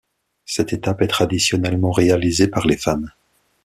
Cette étape est traditionnellement réalisée par les femmes.